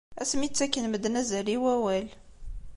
Asmi i ttaken medden azal i wawal.